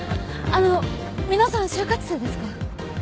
あの皆さん就活生ですか？